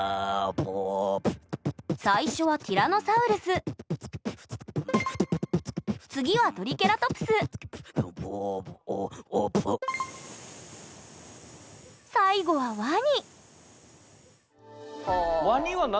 最初はティラノサウルス次はトリケラトプス最後はワニはあ。